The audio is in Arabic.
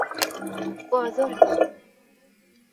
أعذرني